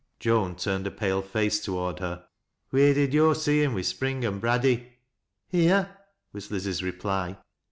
Joan turned a pale face toward her. " Wheer did yo' see liim wi' Spring an' Braddy ?"" Here," was Liz's reply.